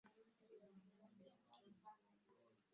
hata mwishoni mwa miaka ya elfu moja mia tisa themanini